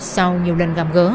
sau nhiều lần gặm gỡ